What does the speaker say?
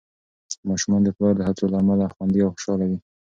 ماشومان د پلار د هڅو له امله خوندي او خوشحال وي.